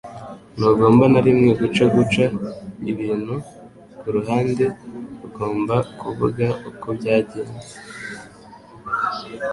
Ntugomba na rimwe guca guca ibintu kuruhande ugomba kuvuga uko byagenze